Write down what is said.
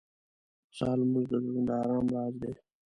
• د سهار لمونځ د زړونو د ارام راز دی.